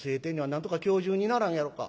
なんとか今日中にならんやろか？